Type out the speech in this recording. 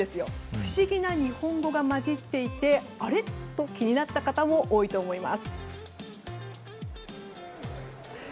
不思議な日本語が混じっていてあれ？と気になった方も多いと思います。